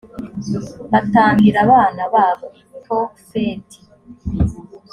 batambira abana babo i tofeti